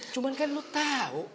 cuman kan lo tau